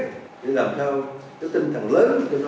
để làm sao tinh thần lớn cho nó ở đây nhé